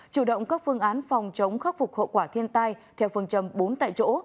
chủ động các phương án phòng chống khắc phục hậu quả thiên tai theo phương châm bốn tại chỗ